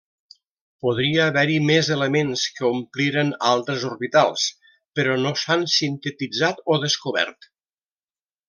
Podria haver-hi més elements que ompliren altres orbitals, però no s'han sintetitzat o descobert.